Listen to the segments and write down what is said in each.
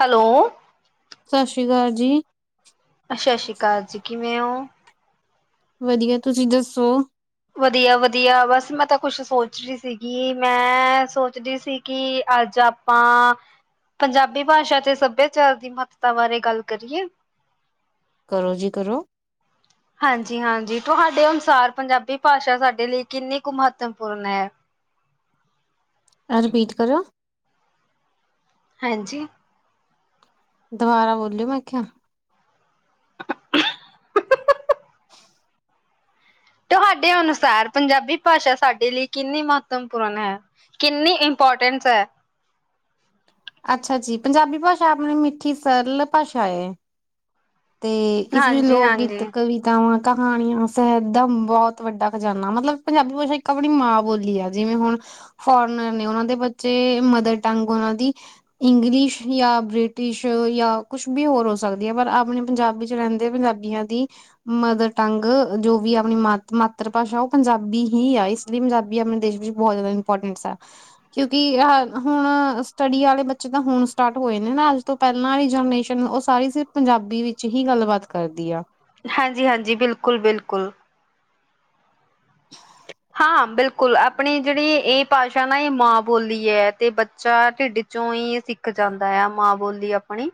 Hello ਸਤਿ ਸ਼੍ਰੀ ਅਕਾਲ ਜੀ। ਸਤਿ ਸ੍ਰੀ ਅਕਾਲ ਜੀ, ਕਿਵੇਂ ਓ? ਵਧੀਆ, ਤੁਸੀਂ ਦੱਸੋ? ਵਧੀਆ-ਵਧੀਆ, ਬਸ ਮੈਂ ਤਾਂ ਕੁਛ ਸੋਚ ਰਹੀ ਸੀਗੀ, ਮੈਂ ਸੋਚ ਰਹੀ ਸੀ ਕਿ ਅੱਜ ਆਪ ਆਪਾਂ ਪੰਜਾਬੀ ਭਾਸ਼ਾ ਤੇ ਸੱਭਿਆਚਾਰ ਦੀ ਮਹੱਤਤਾ ਬਾਰੇ ਗੱਲ ਕਰੀਏ? ਕਰੋ ਜੀ, ਕਰੋ। ਹਾਂਜੀ -ਹਾਂਜੀ ਤੁਹਾਡੇ ਅਨੁਸਾਰ ਪੰਜਾਬੀ ਭਾਸ਼ਾ ਸਾਡੇ ਲਈ ਕਿੰਨੀ ਕੁ ਮਹੱਤਵਪੂਰਨ ਹੈ? ਰਪੀਟ ਕਰਓ? ਹਾਂਜੀ। ਦੁਬਾਰਾ ਬੋਲਿਓ ਮੈਂ ਕਿਹਿ ਆ। [inaudible] ਤੁਹਾਡੇ ਅਨੁਸਾਰ ਪੰਜਾਬੀ ਭਾਸ਼ਾ ਸਾਡੇ ਲਈ ਕਿੰਨੀ ਮਹੱਤਵਪੂਰਨ ਹੈ? ਕਿੰਨੀ ਇੰਪੋਰਟੈਂਸ ਹੈ। ਅੱਛਾ ਜੀ, ਪੰਜਾਬੀ ਭਾਸ਼ਾ ਆਪਣੀ ਮਿੱਠੀ ਸਰਲ ਭਾਸ਼ਾ ਏ। ਤੇ ਇਸ ਵਿੱਚ ਹਾਂਜੀ ਲੋਕ ਗੀਤ ਹਾਂਜੀ, ਕਵੀ ਕਹਾਣੀਆਂਦਾਂ ਬਹੁਤ ਵੱਡਾ ਖਜਾਨਾ ਮਤਲਬ ਪੰਜਾਬੀ ਭਾਸ਼ਾ ਇੱਕ ਆਪਣੀ ਮਾਂ ਬੋਲੀ ਆ। ਜਿਵੇਂ ਹੁਣ ਫੋਰਨਰ ਨੇ ਉਹਨਾਂ ਦੇ ਬੱਚੇ ਮਦਰ ਟੰਗ ਉਹਨਾਂ ਦੀ ਇੰਗਲਿਸ਼ ਜਾਂ ਬ੍ਰਿਟਿਸ਼ ਜਾਂ ਕੁਛ ਵੀ ਹੋਰ ਹੋ ਸਕਦੀ ਹੈ ਪਰ ਆਪਣੇ ਪੰਜਾਬੀ ਚ ਰਹਿੰਦੇ ਪੰਜਾਬੀਆਂ ਦੀ ਮਦਰ ਟੰਗ ਜੋ ਵੀ ਆਪਣੀ ਮਾ ਮਾਤਰ ਭਾਸ਼ਾ ਉਹ ਪੰਜਾਬੀ ਹੀ ਆ। ਇਸ ਪੰਜਾਬੀ ਆਪਣੇ ਦੇਸ਼ ਵਿੱਚ ਬਹੁਤ ਜ਼ਿਆਦਾ ਇੰਪੋਰਟਨਸ ਆ। ਕਿਉਂਕਿ ਹੁਣ ਸਟੱਡੀ ਵਾਲੇ ਬੱਚੇ ਤਾਂ ਹੁਣ ਸਟਾਰਟ ਹੋਏ ਨੇ ਨਾ ਅੱਜ ਤੋਂ ਪਹਿਲਾਂ ਵਾਲੀ ਜਨਰੇਸ਼ਨ ਉਹ ਸਾਰੀ ਸਿਰਫ ਪੰਜਾਬੀ ਵਿੱਚ ਹੀ ਗੱਲਬਾਤ ਕਰਦੀ ਆ। ਹਾਂਜੀ -ਹਾਂਜੀ, ਬਿਲਕੁਲ -ਬਿਲਕੁਲ। ਹਾਂ ਬਿਲਕੁਲ ਆਪਣੀ ਜਿਹੜੀ ਇਹ ਭਾਸ਼ਾ ਨਾ ਇਹ ਮਾਂ ਬੋਲੀ ਹੈ। ਤੇ ਬੱਚਾ ਢਿੱਡ ਚੋਂ ਹੀ ਸਿੱਖ ਜਾਂਦਾ ਆ, ਮਾਂ ਬੋਲੀ ਆਪਣੀ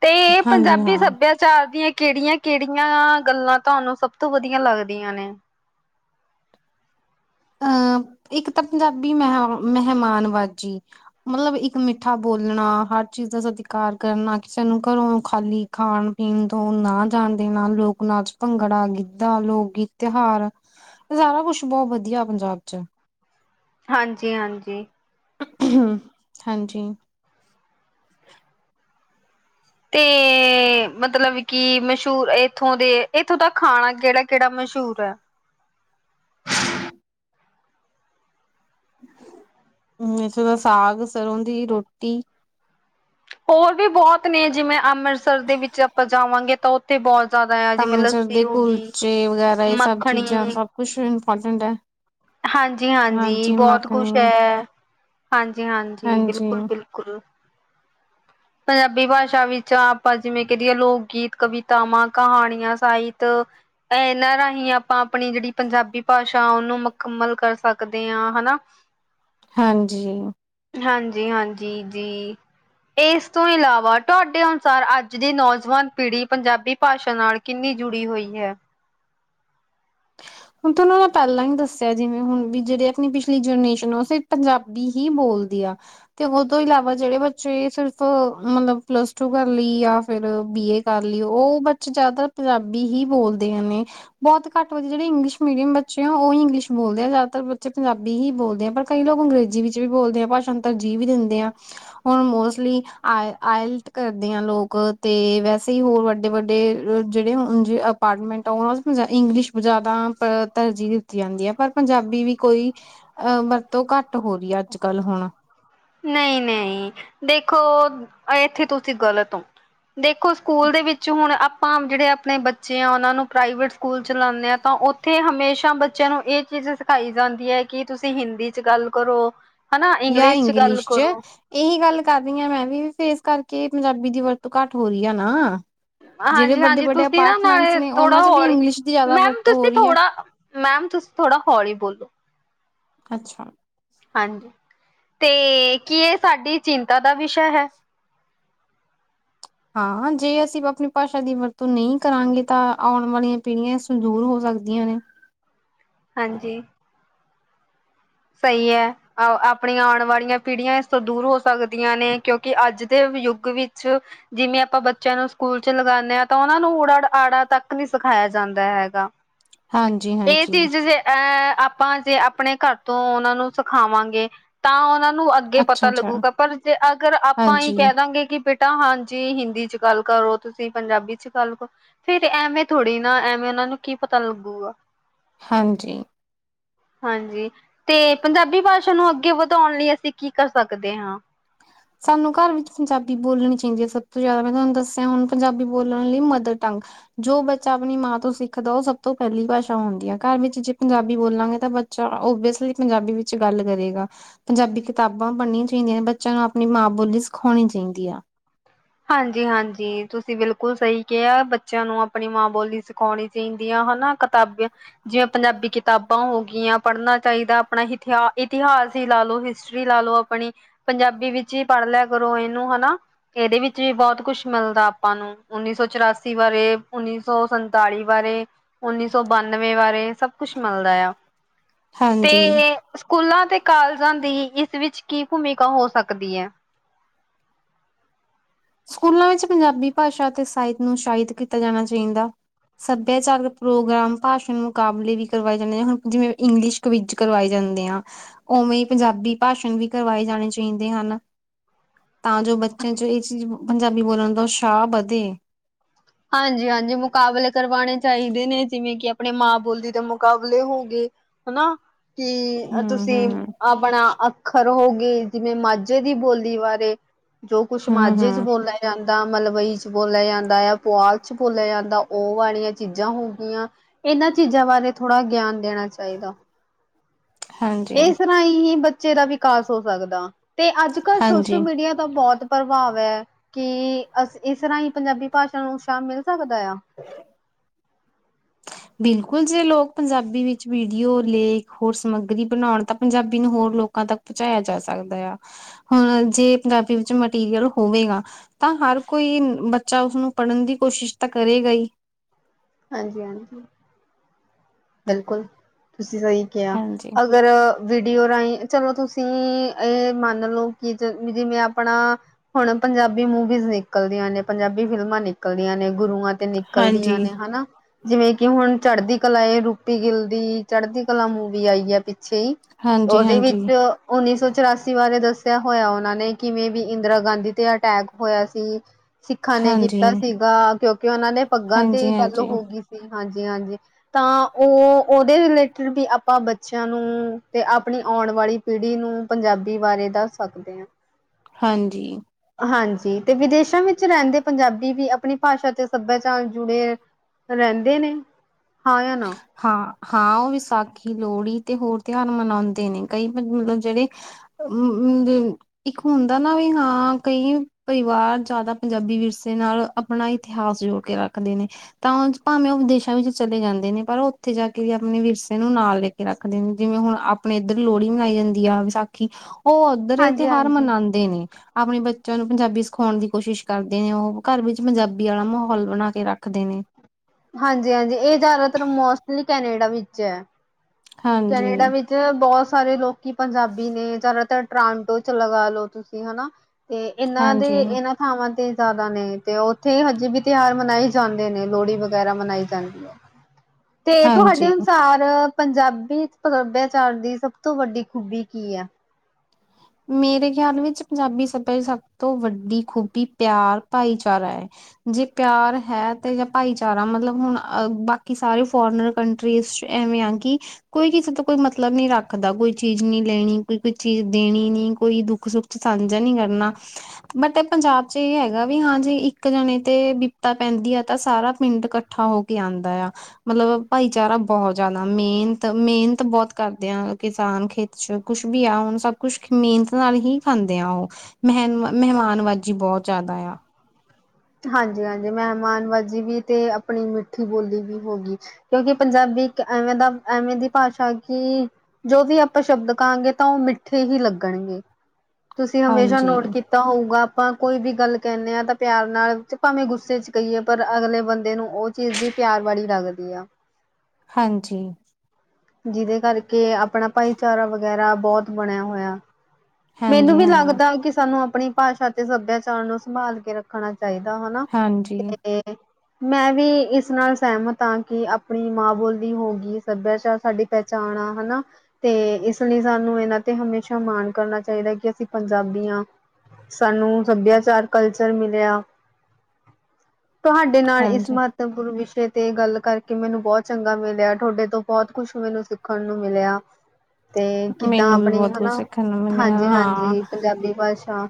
ਤੇ ਇਹ ਹਾਂਜੀ ਪੰਜਾਬੀ ਹਾਂ। ਸੱਭਿਆ ਚਾਰ ਦੀਆਂ ਕਿਹੜੀਆਂ- ਕਿਹੜੀਆਂ ਗੱਲਾਂ ਤੁਹਾਨੂੰ ਸਭ ਤੋਂ ਵਧੀਆ ਲੱਗਦੀਆਂ ਨੇ? ਅਹ ਇੱਕ ਤਾਂ ਪੰਜਾਬੀ ਮਹਿ, ਮਹਿਮਾਨਵਾਜੀ। ਮਤਲਬ ਇੱਕ ਮਿੱਠਾ ਬੋਲਣਾ, ਹਰ ਚੀਜ਼ ਦਾ ਸਤਿਕਾਰ ਕਰਨਾ ਕਿਸੇ ਸਾਨੂੰ ਘਰੋਂ ਖਾਲੀ ਖਾਣ ਪੀਣ ਤੋਂ ਨਾ ਜਾਣ ਦੇਣਾ, ਲੋਕ-ਨਾਚ ਭੰਗੜਾ, ਗਿੱਧਾ, ਲੋਕ- ਗੀਤ, ਤਿਉਹਾਰ ਸਾਰਾ ਕੁਛ ਬਹੁਤ ਵਧੀਆ ਪੰਜਾਬ ਚ। ਹਾਂਜੀ -ਹਾਂਜੀ। ਹਾਂਜੀ। ਤੇ ਮਤਲਬ ਕੀ ਮਸ਼ਹੂਰ ਇੱਥੋਂ ਦੇ ਇੱਥੋਂ ਦਾ ਖਾਣਾ ਕਿਹੜਾ -ਕਿਹੜਾ ਮਸ਼ਹੂਰ ਹੈ? [inaudible] ਹਮ ਇਥੋ ਦਾ ਸਾਗ, ਸਰ੍ਹੋਂ ਦੀ ਰੋਟੀ ਹੋਰ ਵੀ ਬਹੁਤ ਨੇ ਜਿਵੇਂ ਅੰਮ੍ਰਿਤਸਰ ਦੇ ਵਿੱਚ ਆਪਾਂ ਜਾਵਾਂਗੇ ਤਾਂ ਬਹੁਤ ਜ਼ਿਆਦਾ ਆ ਜਿਵੇਂ ਅੰਮ੍ਰਿਤਸਰ ਲੱਸੀ ਦੇ ਹੋ ਗਈ, ਕੁਲਚੇ ਵਗੈਰਾ ਇਹ ਸਭ ਮੱਖਣ ਚੀਜ਼ਾਂ ਸਭ ਕੁਛ ਇੰਪੋਰਟੈਂਟ ਹੈ। ਹਾਂਜੀ- ਹਾਂਜੀ ਬਹੁਤ ਕੁਛ ਹੈ, ਹਾਂਜੀ -ਹਾਂਜੀ, ਬਿਲਕੁਲ- ਬਿਲਕੁਲ। ਪੰਜਾਬੀ ਭਾਸ਼ਾ ਵਿੱਚ ਆਪਾਂ ਜਿਵੇਂ ਕਹਦੀਏ ਲੋਕ- ਗੀਤ, ਕਵਿਤਾਵਾਂ ਕਹਾਣੀਆਂ, ਸਾਹਿਤ ਇਹਨਾਂ ਰਾਹੀਂ ਆਪਾਂ ਆਪਣੀ ਜਿਹੜੀ ਪੰਜਾਬੀ ਭਾਸ਼ਾ ਉਹਨੂੰ ਮੁਕੰਮਲ ਕਰ ਸਕਦੇ ਆ, ਹਨਾ। ਹਾਂਜੀ। ਹਾਂਜੀ-ਹਾਂਜੀ, ਜੀ। ਇਸ ਤੋਂ ਇਲਾਵਾ ਤੁਹਾਡੇ ਅਨੁਸਾਰ ਅੱਜ ਦੀ ਨੌਜਵਾਨ ਪੀੜ੍ਹੀ ਪੰਜਾਬੀ ਭਾਸ਼ਾ ਨਾਲ ਕਿੰਨੀ ਜੁੜੀ ਹੋਈ ਹੈ। ਹੁਣ ਤੁਹਾਨੂੰ ਮੈਂ ਪਹਿਲਾਂ ਹੀ ਦੱਸਿਆ। ਜਿਵੇਂ ਹੁਣ ਵੀ ਜਿਹੜੀ ਆਪਣੀ ਪਿਛਲੀ ਜਨਰੇਸ਼ਨ ਆ, ਉਹ ਸਿਰਫ਼ ਪੰਜਾਬੀ ਹੀ ਬੋਲਦੀ ਆ। ਤੇ ਉਹ ਤੋਂ ਇਲਾਵਾ ਜਿਹੜੇ ਬੱਚੇ ਸਿਰਫ਼ ਮਤਲਬ, ਪਲੱਸ ਟੂ ਕਰ ਲਈ ਜਾਂ ਫਿਰ ਬੀਏ ਕਰ ਲੀ। ਉਹ ਬੱਚੇ ਜ਼ਿਆਦਾਤਰ ਪੰਜਾਬੀ ਹੀ ਬੋਲਦੇ ਹਨ ਨੇ। ਬਹੁਤ ਘੱਟ ਬੱਚੇ ਜਿਹੜੇ ਇੰਗਲਸ਼ ਮੀਡੀਅਮ ਬੱਚੇ ਆ ਉਹ ਇੰਗਲਿਸ਼ ਬੋਲਦੇ ਜ਼ਿਆਦਾਤਰ, ਬੱਚੇ ਪੰਜਾਬੀ ਹੀ ਬੋਲਦੇ ਆ। ਪਰ ਕਈ ਲੋਕ ਅੰਗਰੇਜ਼ੀ ਵਿੱਚ ਵੀ ਬੋਲਦੇ ਆ ਭਾਸ਼ਾ ਨੂੰ। ਤ ਜੀ ਵੀ ਦਿੰਦੇ ਆ। ਹੁਣ ਮੋਸਟਲੀ ਆ ਆਇਲਟ ਕਰਦੇ ਆ ਲੋਕ ਤੇ ਵੈਸੇ ਹੀ ਹੋਰ ਵੱਡੇ ਵੱਡੇ ਜਿਹੜੇ ਹਣ ਜ ਅਪਾਟਮੈਂਟ ਆ। ਉਹਨਾਂ 'ਚ ਇੰਗਲਿਸ਼ ਜ਼ਿਆਦਾ ਅ ਤਰਜੀਹ ਦਿੱਤੀ ਜਾਂਦੀ ਆ। ਪਰ ਪੰਜਾਬੀ ਵੀ ਕੋਈ ਓਂ ਵਰਤੋਂ ਘੱਟ ਹੋ ਰਹੀ ਐ ਅੱਜ-ਕੱਲ੍ਹ ਹੁਣ। ਨਹੀਂ-ਨਹੀਂ ਦੇਖੋ ਇੱਥੇ ਤੁਸੀਂ ਗਲਤ ਓ। ਦੇਖੋ ਸਕੂਲ ਦੇ ਵਿੱਚ ਹੁਣ ਆਪਾਂ ਹੁਣ ਜਿਹੜੇ ਆਪਣੇ ਬੱਚੇ ਆ, ਉਹਨਾਂ ਨੂੰ ਪ੍ਰਾਈਵੇਟ ਸਕੂਲ 'ਚ ਲਾਉਂਦੇ ਆ ਤਾਂ ਉੱਥੇ ਹਮੇਸ਼ਾ ਬੱਚਿਆਂ ਨੂੰ ਇਹ ਚੀਜ਼ ਸਿਖਾਈ ਜਾਂਦੀ ਐ ਕਿ ਤੁਸੀਂ ਹਿੰਦੀ 'ਚ ਗੱਲ ਕਰੋ। ਹਨਾ ਜਾਂ ਇੰਗਲਿਸ਼ ਚ ਗੱਲ ਇੰਗਲਿਸ਼'ਚ ਕਰੋ ਇਹੀ ਗੱਲ ਕਰ ਰਹੀ ਆ ਮੈਂ ਵੀ। ਫਿਰ ਇਸ ਕਰਕੇ ਪੰਜਾਬੀ ਦੀ ਵਰਤੋਂ ਘੱਟ ਹੋ ਰਹੀ ਆ ਨਾ। ਜਿਹੜੇ ਹਾਂਜੀ-ਹਾਂਜੀ ਵੱਡੇ-ਵੱਡੇ ਤੁਸੀਂ ਨਾ ਅਪਾਰਟਮੈਂਟਸ ਨਾਲੇ ਨੇ ਥੋੜਾ ਉਹਨਾਂ ਚ ਵੀ ਹੋਲੀ, ਇੰਗਲਿਸ਼ ਦੀ ਜ਼ਿਆਦਾ ਮੈਮ ਵਰਤੋਂ ਹੋ ਤੁਸੀਂ ਰਹੀ ਆ। ਥੋੜਾ ਮੈਮ ਤੁਸੀਂ ਥੋੜਾ ਹੋਲੀ ਬੋਲੋ। ਅੱਛਾ। ਹਾਂਜੀ ਤੇ ਕੀ ਇਹ ਸਾਡੀ ਚਿੰਤਾ ਦਾ ਵਿਸ਼ਾ ਹੈ। ਹਾਂ, ਜੇ ਅਸੀਂ ਆਪਣੀ ਭਾਸ਼ਾ ਦੀ ਵਰਤੋਂ ਨਹੀਂ ਕਰਾਂਗੇ ਤਾਂ ਆਉਣ ਵਾਲੀਆਂ ਪੀੜੀਆਂ ਦੂਰ ਹੋ ਸਕਦੀਆਂ ਨੇ। ਹਾਂਜੀ। ਸਹੀ ਐ। ਅਹ ਆਪਣੀਆਂ ਆਉਣ ਵਾਲੀਆਂ ਪੀੜੀਆਂ ਇਸ ਤੋਂ ਦੂਰ ਹੋ ਸਕਦੀਆਂ ਨੇ। ਕਿਉਂਕਿ ਅੱਜ ਦੇ ਯੁੱਗ ਵਿੱਚ ਜਿੰਨੇ ਆਪਾਂ ਬੱਚਿਆਂ ਨੂੰ ਸਕੂਲ 'ਚ ਲਗਾਂਨੇ ਆ ਤਾਂ ਉਹਨਾਂ ਨੂੰ ਉੜਾ ਆੜਾ ਤੱਕ ਨੀ ਸਿਖਾਇਆ ਜਾਂਦਾ ਹੈਗਾ। ਇਹ ਹਾਂਜੀ-ਹਾਂਜੀ, ਚੀਜ਼ ਜੇ ਅਹ ਆਪਾਂ ਜੇ ਆਪਣੇ ਘਰ ਤੋਂ ਉਹਨਾਂ ਨੂੰ ਸਿਖਾਵਾਂਗੇ ਤਾਂ ਉਹਨਾਂ ਨੂੰ ਅ ਅੱਗੇ ਪਤਾ ਅੱਛਾ-ਅੱਛਾ, ਲੱਗੂਗਾ। ਪਰ ਜੇ, ਅਗਰ ਆਪਾਂ ਈ ਕਹਿਦਾ ਗੇ ਕੀ ਤਾਂ ਹਾਂਜੀ, ਹਿੰਦੀ 'ਚ ਗੱਲ ਕਰੋ। ਤੁਸੀਂ ਪੰਜਾਬੀ 'ਚ ਗੱਲ ਕ ਫਿਰ ਐਵੇਂ ਥੋੜ੍ਹੀ ਨਾ, ਐਵੇਂ ਉਹਨਾਂ ਨੂੰ ਕੀ ਪਤਾ ਲੱਗੂਗਾ। ਹਾਂਜੀ। ਹਾਂਜੀ। ਤੇ ਪੰਜਾਬੀ ਭਾਸ਼ਾ ਨੂੰ ਅੱਗੇ ਵਧਾਉਣ ਲਈ ਅਸੀਂ ਕੀ ਕਰ ਸਕਦੇ ਹਾਂ। ਸਾਨੂੰ ਘਰ ਵਿੱਚ ਪੰਜਾਬੀ ਬੋਲਣੀ ਚਾਹੀਦੀ ਐ। ਸਭ ਤੋਂ ਜ਼ਿਆਦਾ ਮੈਂ ਤੁਹਾਨੂੰ ਦੱਸਿਆ ਹੁਣ, ਪੰਜਾਬੀ ਬੋਲਣ ਲਈ ਮਦਰ ਟੰਗ ਜੋ ਬੱਚਾ ਆਪਣੀ ਮਾਂ ਤੋਂ ਸਿੱਖਦਾ ਉਹ ਸਭ ਤੋਂ ਪਹਿਲੀ ਭਾਸ਼ਾ ਹੁੰਦੀ ਐ। ਘਰ ਵਿੱਚ ਜੇ ਪੰਜਾਬੀ ਬੋਲਾਂਗੇ ਤਾਂ ਬ ਚਾ ਓਵੀਅਸਲੀ ਪੰਜਾਬੀ ਵਿੱਚ ਗੱਲ ਕਰੇਗਾ। ਪੰਜਾਬੀ ਕਿਤਾਬਾਂ ਪੜ੍ਹਨੀਆਂ ਚਾਹੀਦੀਆਂ। ਬੱਚਿਆਂ ਨੂੰ ਆਪਣੀ ਮਾਂ ਬੋਲੀ ਸਿਖਾਉਂਣੀ ਚਾਹੀਦੀ ਆ।। ਹਾਂਜੀ-ਹਾਂਜੀ। ਤੁਸੀਂ ਬਿਲਕੁਲ ਸਹੀ ਕਿਹਾ, ਬੱਚਿਆਂ ਨੂੰ ਆਪਣੀ ਮਾਂ ਬੋਲੀ ਸਿਖਾਉਂਣੀ ਚਾਹੀਦੀ ਆ ਹਨਾ। ਕਿਤਾਬਾਂ ਜਿਵੇਂ ਪੰਜਾਬੀ ਕਿਤਾਬਾਂ ਹੋਗੀਆਂ ਪੜ੍ਹਨਾ ਚਾਹੀਦਾ। ਆਪਣਾ ਹਿਤਿਆ-ਇਤਿਹਾਸ ਹੀ ਲਾ ਲੋ, ਹਿਸਟਰੀ ਲਾ ਲੋ ਆਪਣੀ ਪੰਜਾਬੀ ਵਿੱਚ ਈ ਪੜ੍ਹ ਲਿਆ ਕਰੋ ਇਹਨੂੰ ਹਨਾ। ਇਹਦੇ ਵਿੱਚ ਜੀ ਬੋਤ ਕੁਛ ਮਿਲਦਾ ਆਪਾਂ ਨੂੰ, ਉੱਨੀ ਸੌ ਚੁਰਾਸੀ ਬਾਰੇ, ਉੱਨੀ ਸੌ ਸੰਤਾਲੀ ਬਾਰੇ। ਉੱਨੀ ਸੌ ਬਾਨਵੇਂ ਬਾਰੇ, ਸਭ ਕੁਛ ਮਿਲਦਾ ਯਾ ਤੇ ਹਾਂਜੀ। ਇਹ ਸਕੂਲਾਂ ਤੇ ਕਾਲਜਾਂ ਦੀ ਇਸ ਵਿਚ ਕੀ ਭੂਮਿਕਾ ਹੋ ਸਕਦੀ ਐ? ਸਕੂਲਾਂ ਵਿੱਚ ਪੰਜਾਬੀ ਭਾਸ਼ਾ ਤੇ ਸਾਹਿਤ ਨੂੰ ਸ਼ਾਹਿਤ ਕੀਤਾ ਜਾਣਾ ਚਾਈਦੈ। ਸੱਭਿਆਚਾਰਕ ਪ੍ਰੋਗਰਾਮ, ਭਾਸ਼ਣ, ਮੁਕਾਬਲੇ ਵੀ ਕਰਵਾਏ ਜਾਂਦੇ ਚਾਈਦੇ ਹੁਣ ਜਿਵੇਂ ਇੰਗਲਿਸ਼ ਕਵਿਜ ਕਰਵਾਏ ਜਾਂਦੇ ਆ ਉਵੇਂ ਪੰਜਾਬੀ ਪਾਸ਼ਣ ਵੀ ਕਰਵਾਏ ਜਾਣੇ ਚਾਈਦੇ ਹਨ। ਤਾਂ ਜੋ ਬੱਚਿਆਂ ਚ ਏ ਚੀਜ ਪੰਜਾਬੀ ਬੋਲਣ ਦਾ ਉਤਸ਼ਾਹ ਵਧੇ। ਹਾਂਜੀ-ਹਾਂਜੀ ਮੁਕਾਬਲੇ ਕਰਵਾਣੇ ਚਾਈਦੇ ਨੇ ਜਿਵੇਂ ਕਿ ਅਪਨੇ ਮਾਂ ਬੋਲੀ ਦੇ ਮੁਕਾਬਲੇ ਹੋਗੇ। ਹਨਾ, ਕਿ ਹੂੰ ਤੁਸੀ ਹੂੰ ਆਪਣਾ ਅੱਖ ਅੱਖਰ ਹੋ ਗਏ ਜਿਵੇਂ ਮਾਝੇ ਦੀ ਬੋਲੀ ਬਾਰੇ ਜੋ ਕੁਛ ਹੂੰ ਮਾਝੇ ਚ ਹੂੰ। ਬੋਲਦਾ। ਜਾਂਦਾ ਮਲਵਈ ਚ ਬੋਲਿਆ ਜਾਂਦਾ ਯਾ। ਪੁਆਲ ਚ ਬੋਲਿਆ ਜਾਂਦਾ ਓ ਵਾਲੀਆਂ ਚੀਜ਼ਾਂ ਹੋ ਗੀਆਂ। ਏਨਾਂ ਚੀਜਾਂ ਬਾਰੇ ਥੋੜ੍ਹਾ ਗਿਆਨ ਦੇਣਾ ਚਾਈਦਾ। ਹਾਂਜੀ। ਹੀ ਬੱਚੇ ਦਾ ਵਿਕਾਸ ਹੋ ਸਕਦਾ, ਤੇ ਅੱਜ-ਕੱਲ ਸੋਸ਼ਲ ਹਾਂਜੀ। ਮੀਡੀਆ ਦਾ ਬੋਤ ਪ੍ਰਭਾਵ ਐ ਕਿ ਅ ਇਸ ਰਾਹੀਂ ਪੰਜਾਬੀ ਭਾਸ਼ਾ ਨੂੰ ਉਤਸ਼ਾਹ ਮਿਲ ਸਕਦਾ ਯਾ? ਬਿਲਕੁਲ ਜੇ ਲੋਕ ਪੰਜਾਬੀ ਵਿੱਚ ਵੀਡੀਓ, ਲੇਖ ਹੋਰ ਸਮੱਗਰੀ ਬਣਾਉਣ ਤਾਂ ਪੰਜਾਬੀ ਨੂੰ ਹੋਰ ਲੋਕ ਲੋਕਾਂ ਤੱਕ ਪਹੁੰਚਾਇਆ ਜਾ ਸਕਦਾ ਆ ਹੁਣ ਜੇ ਪੰਜਾਬੀ ਵਿੱਚ ਮਟੀਰੀਅਲ ਹੋਵੇਗਾ ਤਾਂ ਹਰ ਕੋਈ ਬੱਚਾ ਉਸਨੂੰ ਪੜ੍ਹਨ ਦੀ ਕੋਸ਼ਿਸ਼ ਤਾਂ ਕਰੇਗਾ ਈ। ਹਾਂਜੀ-ਹਾਂਜੀ। ਬਿਲਕੁਲ ਤੁਸੀਂ ਸਈ ਕੇਆ। ਹਾਂਜੀ। ਅਗਰ ਵੀਡੀਓ ਰਾਈਂ ਚਲੋ, ਤੁਸੀਂ ਇਹ ਮੰਨ ਲਓ ਕਿ ਜਿਵੇਂ ਅਪਣਾ ਹੁਣ ਪੰਜਾਬੀ ਮੂਵੀਜ਼ ਨਿਕਲਦੀਆਂ ਨੇ ਪੰਜਾਬੀ ਫਿਲਮਾਂ ਨਿਕਲਦੀਆਂ ਨੇ, ਗੁਰੂਆਂ ਨਿਕਲਦੀਆਂ ਹਾਂਜੀ। ਨੇ ਹ, ਨਾ ਜਿਵੇਂ ਕਿ ਹੁਣ ਚੜ੍ਹਦੀ ਕਲਾ ਏ ਰਪੀ ਗਿੱਲ ਦੀ ਚੜ੍ਹਦੀ ਕਲਾ ਮੂਵੀ ਆਈ ਐ ਪਿੱਛੇ ਈ, ਓਦੇ ਹਾਂਜੀ-ਹਾਂਜੀ, ਵਿੱਚ ਉੱਨੀ ਸੌ ਚੁਰਾਸੀ ਬਾਰੇ ਦੱਸਿਆ ਹੋਯਾ ਓਨਾਂ ਨੇ ਕਿਵੇਂ ਵੀ ਇੰਦਰਾ ਗਾਂਧੀ ਤੇ ਅਟੈਕ ਹੋਇਆ ਸੀ। ਸਿੱਖਾਂ ਨੇ ਹਾਂਜੀ, ਕੀਤਾ ਸੀਗਾ, ਕਿਉਂਕਿ ਓਨਾਂ ਨੇ ਪੱਗਾਂ ਤੇ ਗੱਲ ਹਾਂਜੀ-ਹਾਂਜੀ। ਹਾਂਜੀ। ਹਾਂਜੀ। ਹੋ ਗਈ। ਹਾਂਜੀ-ਹਾਂਜੀ ਤਾਂ [inaudible] ਓਦੇ ਰਿਲੇਟਿਡ ਵੀ ਆਪਾਂ ਬੱਚਿਆਂ ਨੂੰ ਤੇ ਅਪਨੀ ਆਣ ਵਾਲੀ ਪੀੜ੍ਹੀ ਨੂੰ ਪੰਜਾਬੀ ਬਾਰੇ ਦੱਸ ਸਕਦੇ ਆਂ। ਹਾਂਜੀ। ਹਾਂਜੀ, ਤੇ ਵਿਦੇਸ਼ਾਂ ਵਿੱਚ ਰੈਂਦੇ ਪੰਜਾਬੀ ਵੀ ਅਪਨੀ ਭਾਸ਼ਾ ਚ ਸੱਭਿਆਚਾਰ ਜੁੜੇ ਰੈਂਨੇ ਹਾਂ ਯਾਂ ਨਾ? ਹਾਂ, ਹਾਂ ਓ ਵਿਸਾਖੀ, ਲੋਹੜੀ ਤੇ ਹੋਰ ਤਿਉਹਾਰ ਮਨਾਦੇ ਨੇ ਕਈ ਮਤਲਬ ਜੇੜੇ [unintelligible] ਇੱਕ ਹੁੰਦਾ ਨਾ ਵੀ ਹਾਂ, ਕਈ ਪਰਿਵਾਰ ਜਾਦਾ ਪੰਜਾਬੀ ਵਿਰਸੇ ਨਾਲ ਅਪਨਾ ਇਤਿਹਾਸ ਜੋੜ ਕੇ ਰੱਖਦੇ ਨੇ, ਤਾਂ ਓ ਭਾਵੇਂ ਓ ਵਿਦੇਸ਼ਾਂ ਵਿੱਚ ਚਲੇ ਜਾਂਨ ਨੇ ਪਰ ਓ ਓਥੇ ਜਾਕੇ ਵੀ ਅਪਨੇ ਵਿਰਸੇ ਨੂੰ ਨਾਲ ਲੈ ਕੇ ਰੱਖਦੇ ਨੇ, ਜਿਵੇਂ ਹੁਣ ਅਪਨੇ ਏਧਰ ਲੋਹੜੀ ਮਨਾਈ ਜਾਂਦੀ ਆ, ਵਿਸਾਖੀ ਓ ਓਧਰ ਏ ਤਿਉਹਾਰ ਹਾਂਜੀ-ਹਾਂਜੀ। ਮਨਾਂਦੇ ਨੇ। ਅਪਨੇ ਬੱਚੇਆਂ ਨੂੰ ਪੰਜਾਬੀ ਸਿਖਾਣ ਦੀ ਕੋਸ਼ਿਸ਼ ਕਰਦੇ ਨੇ ਓ, ਘਰ ਵਿੱਚ ਪੰਜਾਬੀ ਵਾਲਾ ਮਾਹੌਲ ਬਣਾ ਕੇ ਰੱਖਦੇ ਨੇ। ਹਾਂਜੀ-ਹਾਂਜੀ ਏ ਜਾਦਾਤਰ ਮੋਸਟਲੀ ਕੈਨੇਡਾ ਵਿੱਚ ਐ, ਹਾਂਜੀ ਕੈਨੇਡਾ ਵਿੱਚ ਬੋਤ ਸਾਰੇ ਲੋਕੀ ਪੰਜਾਬੀ ਨੇ ਜਾਦਾਤਰ ਟਰਾਂਟੋ ਚ ਲਗਾ ਲੋ ਤੁਸੀਂ, ਹਨਾ। ਤੇ ਏਨਾਂ ਦੇ ਹਾਂਜੀ ਏਨਾਂ ਥਾਵਾਂ ਤੇ ਜ਼ਾਦਾ ਨੇ ਤੇ ਓਥੇ ਅਜੇ ਵੀ ਤਿਉਹਾਰ ਮਨਾਏ ਜਾਂਦੇ ਨੇ, ਲੋਹੜੀ ਵ ਵਗੈਰਾ ਮਨਾਈ ਜਾਂਦੀ ਐ, ਤੇ ਤੁਹਾਡੇ ਹਾਂਜੀ ਅਨੁਸਾਰ ਪੰਜਾਬੀ ਸੱਭਿਆਚਾਰ ਦੀ ਸਭ ਤੋਂ ਵੱਡੀ ਖੂਬੀ ਕੀ ਐ? ਮੇਰੇ ਖਿਆਲ ਵਿੱਚ ਪੰਜਾਬੀ ਸੱਭਿਆ ਸਭ ਤੋਂ ਵੱਡੀ ਖੂਬੀ ਪਿਆਰ, ਭਾਈਚਾਰਾ ਐ। ਜੇ ਪਿਆਰ ਹੈ ਤੇ ਯਾ ਭਾਈਚਾਰਾ ਮਤਲਬ ਹੁਣ ਅ ਬਾਕੀ ਸਾਰੇ ਫੋਰਨਰ ਕੰਟਰੀਜ਼ ਚ ਐਵੇਂ ਆ ਕਿ ਕੋਈ ਕਿਸੇ ਤੋ ਕੋਈ ਮਤਲਬ ਨੀ ਰੱਖਦਾ ਕੋਈ ਚੀਜ਼ ਨੀ ਲੈਣੀ ਕੋਈ ਕੋਈ ਚੀਜ਼ ਦੇਣੀ ਨੀ ਕੋਈ ਦੁੱਖ ਸੁੱਖ ਸਾਂਝਾ ਨੀ ਕਰਨਾ। ਬਟ ਪੰਜਾਬ ਚ ਏਹ ਹੈਗਾ ਵੀ ਹਾਂ ਜੇ ਇੱਕ ਜਾਣੇ ਤੇ ਬਿਪਤਾ ਪੈਂਦੀ ਆ ਤਾਂ ਸਾਰਾ ਪਿੰਡ ਕ ਠਾ ਹੋ ਕੇ ਆਂਦਾ ਆ। ਮਤਲਬ ਭਾਈਚਾਰਾ ਬੋਤ ਜਾਦਾ ਮੇਨਤ-ਮੇਨਤ ਬੋਤ ਕਰਦੇ ਆ ਕਿਸਾਨ ਖੇ ਅੱਛ ਕੁੱਛ ਵੀ ਆ ਹੁਣ ਸਭ ਕੁਛ ਮੇਨਤ ਨਾਲ ਹੀ ਖਾਂਦੇ ਆ ਉਹ ਮੇਹ ਮਹਿਮਾਨਬਾਜੀ ਬੋਤ ਜਾਦਾ ਆ। ਹਾਂਜੀ-ਹਾਂਜੀ ਮਹਿਮਾਨ ਬਾਜੀ ਵੀ ਤੇ ਅਪਣੀ ਮਿੱਠੀ ਬੋਲੀ ਵੀ ਹੋ ਗੀ। ਕਿਉਂਕਿ ਪੰਜਾਬੀ ਇੱਕ ਐਵੇਂ ਦਾ ਐਵੇਂ ਦੀ ਭਾਸ਼ਾ ਕਿ ਜੋ ਵੀ ਆਪਾਂ ਸ਼ਬਦ ਕਾਂਗੇ ਤਾਂ ਉਹ ਮਿੱਠੇ ਹੀ ਲੱਗਣਗੇ। ਤੁਸੀਂ ਹਮੇਸ਼ਾ ਹਾਂਜੀ ਨੋਟ ਕੀਤਾ ਹੋਊਗਾ ਆਪਾਂ ਕੋਈ ਵੀ ਗੱਲ ਕੇਂਦੇ ਆ ਤਾਂ ਪਿਆਰ ਨਾਲ ਭਾਵੇਂ ਗੁੱਸੇ ਚ ਕਈਏ ਪਰ ਅਗਲੇ ਬੰਦੇ ਨੂੰ ਉਹ ਚੀਜ਼ ਦੀ ਪਿਆਰ ਵਾਲੀ ਲੱਗਦੀ ਆ। ਹਾਂਜੀ। ਜਿਦੇ ਕਰਕੇ ਆਪਣਾ ਭਾਈਚਾਰਾ ਵਗੈਰਾ ਬੋਤ ਬਣਿਆ ਹੋਇਆ। ਮੈਨੂੰ ਹਾਂਜੀ ਵੀ ਹਾਂ ਲੱਗਦਾ ਕਿ ਸਾਨੂੰ ਆਪਣੀ ਭਾਸ਼ਾ ਤੇ ਸੱਭਿਆਚਾਰ ਨੂੰ ਸੰਭਾਲ ਕੇ ਰੱਖਣਾ ਚਾਈਦਾ ਹਨਾ ਹਾਂਜੀ ਤੇ ਮੈਂ ਵੀ ਇਸ ਨਾਲ ਸੇਮਤ ਆ ਕਿ ਆਪਣੀ ਮਾਂ ਬੋਲੀ ਹੋ ਗੀ ਸੱਭਿਆਚਾਰ ਸਾਡੀ ਪਹਿਚਾਣ ਆ ਹਨਾ। ਤੇ ਇਸ ਲਈ ਸਾਨੂੰ ਇਨਾਂ ਤੇ ਹਮੇਸ਼ਾ ਮਾਣ ਕਰਨਾ ਚਾਈਦਾ ਕਿ ਅਸੀਂ ਪੰਜਾਬੀ ਆ। ਸਾਨੂੰ ਸੱਭਿਆਚਾਰ ਕਲਚਰ ਮਿਲਿਆ ਤੁਹਾਡੇ ਨਾਲ ਇਸ ਹਾਂਜੀ ਮਹ ਮਹੱਪੂਰ ਵਿਸ਼ੇ ਤੇ ਗੱਲ ਕਰਕੇ ਮੈਨੂੰ ਬੋਤ ਚੰਗਾ ਮਿਲਿਆ ਤੁਹਾਡੇ ਤੋਂ ਬੋਤ ਕੁਛ ਮੈਨੂੰ ਸਿੱਖਣ ਨੂੰ ਮਿਲਿਆ। ਤੇ ਕਿੱਦਾਂ ਮੈਨੂੰ ਵੀ ਆਪਣੀ ਬਹੁਤ ਕੁਝ ਹਨਾ ਸਿੱਖਣ ਨੂੰ ਮਿਲਿਆ ਹਾਂ ਹਾਂਜੀ-ਹਾਂਜੀ ਪੰਜਾਬੀ ਭਾਸ਼ਾ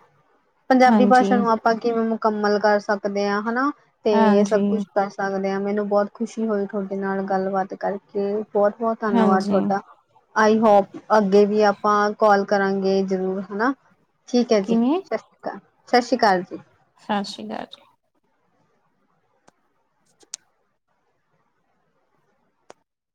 ਪੰਜਾਬੀ ਹਾਂਜੀ ਭਾਸ਼ਾ ਨੂੰ ਆਪਾਂ ਕਿਵੇਂ ਮੁਕੰਮਲ ਕਰ ਸਕਦੇ ਆ ਹਨਾ ਤੇ ਸਭ ਹਾਂਜੀ ਕੁਛ ਕਰ ਸਕਦੇ ਆ ਮੈਨੂੰ ਬੋਤ ਖੁਸ਼ੀ ਹੋਈ ਤੁਹਾਡੇ ਨਾਲ ਗੱਲਬਾਤ ਕਰਕੇ ਬੋਤ-ਬੋਤ ਧੰਨਵਾਦ ਹਾਂਜੀ ਤੁਹਾਡਾ। ਆਈ ਹੋਪ ਅੱਗੇ ਵੀ ਆਪਾਂ ਕੋਲ ਕਰਾਂਗੇ ਜਰੂਰ ਹਨਾ। ਠੀਕ ਐ ਜੀ ਕਿਵੇਂ ਸਸ ਸ੍ਰੀ ਕਾਲ, ਸਸ ਸ੍ਰੀ ਕਾਲ ਜੀ। ਸਸ ਸ੍ਰੀ ਕਾਲ ਜੀ।